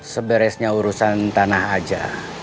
seberesnya urusan tanah aja